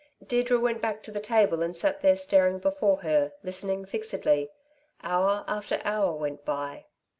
Deirdre went back to the table and sat there staring before her, listening fixedly. Hour after hour went by.